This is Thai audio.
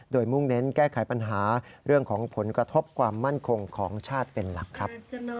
โดยมุ่งเน้นแก้ไขปัญหาเรื่องของผลกระทบความมั่นคงของชาติเป็นหลักครับ